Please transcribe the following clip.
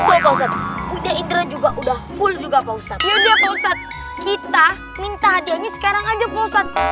juga posat udah indra juga udah full juga posat kita minta hadiahnya sekarang aja posat